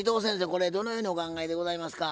これどのようにお考えでございますか？